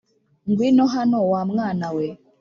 Ngwino hano wa mwana we